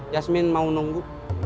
yasmin mau nunggu